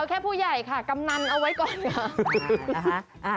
แค่ผู้ใหญ่ค่ะกำนันเอาไว้ก่อนค่ะ